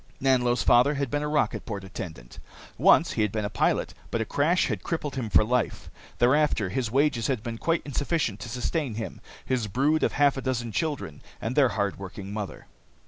Nanlo's father had been a rocket port attendant. Once he had been a pilot, but a crash had crippled him for life. Thereafter, his wages had been quite insufficient to sustain him, his brood of half a dozen children, and their hard working mother.